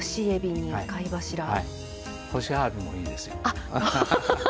干しあわびもいいですよ。